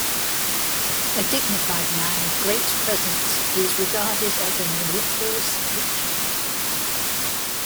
A dignified man of great presence, he was regarded as a mellifluous preacher.